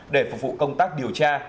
để phục vụ công tác điều tra